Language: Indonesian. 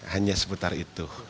hanya seputar itu